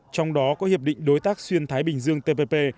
trong đó có hiệp định đối tác xuyên thái bình dương tpp